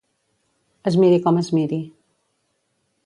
Es miri com es miri.